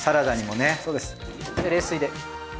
で冷水で。